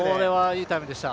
これはいいタイムでした。